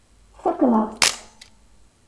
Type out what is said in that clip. Tfakkeḍ-aɣ-tt.